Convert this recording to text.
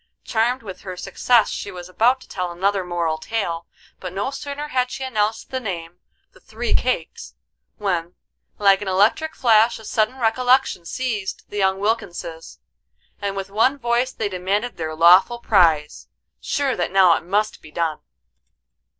Charmed with her success she was about to tell another moral tale, but no sooner had she announced the name, "The Three Cakes," when, like an electric flash a sudden recollection seized the young Wilkinses, and with one voice they demanded their lawful prize, sure that now it must be done.